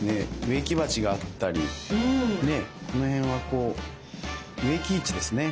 植木鉢があったりこの辺は植木市ですね。